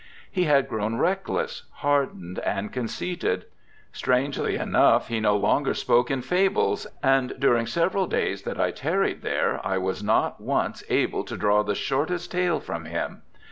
He had grown reckless, hardened, and conceited. Strangely enough, he no longer spoke in fables, and during several days that I tarried there I was not once able to draw the shortest tale from him.